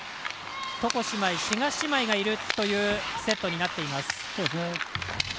床姉妹、志賀姉妹がいるというセットになっています。